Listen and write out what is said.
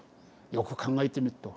よく考えてみっと。